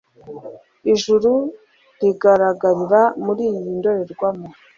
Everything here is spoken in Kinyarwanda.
ijuru rigaragarira muri iyi ndorerwamo